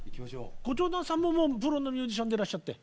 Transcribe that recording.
ご長男さんももうプロのミュージシャンでいらっしゃって。